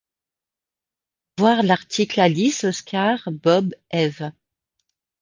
Voir l'article Alice Oscar Bob Eve.